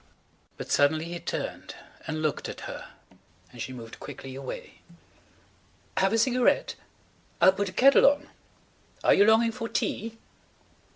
But suddenly he turned and looked at her and she moved quickly away. "Have a cigarette? I'll put the kettle on. Are you longing for tea?"